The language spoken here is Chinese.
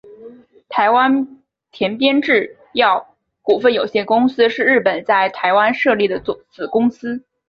台湾田边制药股份有限公司是日本在台湾设立的子公司。